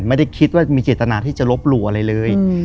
ไม่ได้คิดว่ามีเจตนาที่จะลบหลู่อะไรเลย